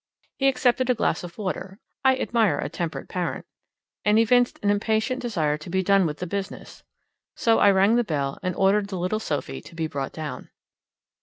He accepted a glass of water (I admire a temperate parent), and evinced an impatient desire to be done with the business. So I rang the bell and ordered the little Sophie to be brought down.